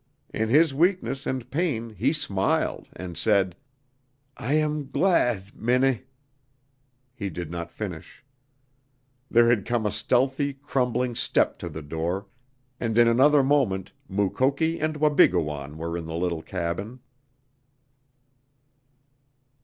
In his weakness and pain he smiled, and said, "I am glad, Minne " He did not finish. There had come a stealthy, crumbling step to the door, and in another moment Mukoki and Wabigoon were in the little cabin.